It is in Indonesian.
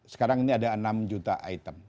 sekarang ini ada enam juta item